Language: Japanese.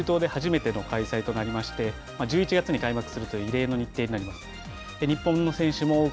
ワールドカップとしては中東で初めての開催となりまして１１月に開幕するという異例の日程になります。